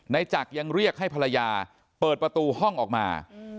จักรยังเรียกให้ภรรยาเปิดประตูห้องออกมา